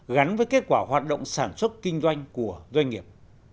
gắn với kết quả hoạt động sản xuất kinh doanh của doanh nghiệp